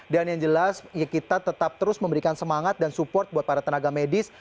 dan yang jelas kita tetap terus memberikan semangat dan support buat para tenaga medis